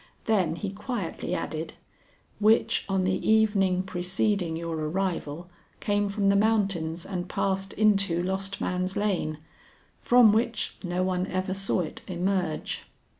Then he quietly added: "Which on the evening preceding your arrival came from the mountains and passed into Lost Man's Lane, from which no one ever saw it emerge."